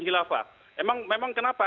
hilafah memang kenapa